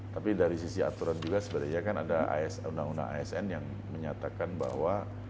tapi dari sisi aturan juga sebenarnya kan ada undang undang asn yang menyatakan bahwa